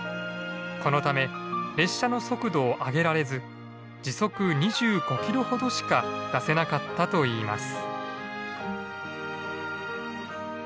このため列車の速度を上げられず時速２５キロほどしか出せなかったといいます。